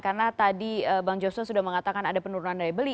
karena tadi bang joso sudah mengatakan ada penurunan daya beli